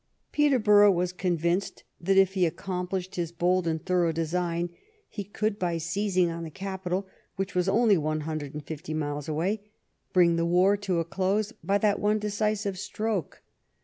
Peterborough was convinced that, if he ac complished his bold and thorough design, he could, by seizing on the capital, which was only one hundred and fifty miles away, bring the war to a close by that one decisive stroke.